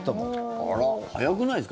あら、早くないですか？